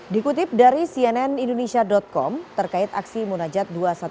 dikutip dari cnn indonesia com terkait aksi munajat dua ratus dua belas